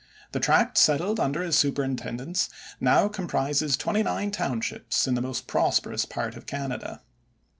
The tract settled under his superintendence now comprises twenty nine townships in the most prosperous part of Canada.